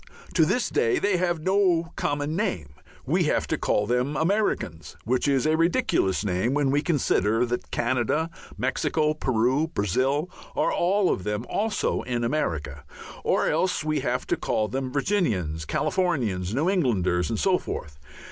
To this day they have no common name. We have to call them Americans, which is a ridiculous name when we consider that Canada, Mexico, Peru, Brazil are all of them also in America. Or else we have to call them Virginians, Californians, New Englanders, and so forth.